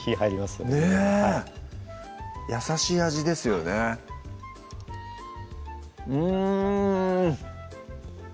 ごぼうは優しい味ですよねうん！